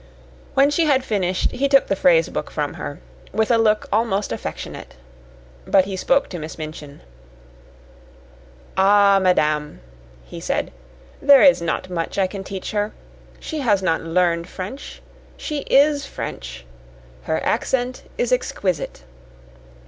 When she had finished, he took the phrase book from her, with a look almost affectionate. But he spoke to Miss Minchin. "Ah, madame," he said, "there is not much I can teach her. She has not LEARNED French; she is French. Her accent is exquisite."